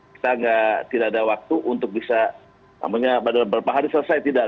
kita tidak ada waktu untuk bisa beberapa hari selesai tidak